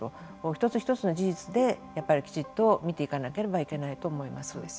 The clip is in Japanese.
一つ一つの事実できちっと見ていかなければいけないと思います。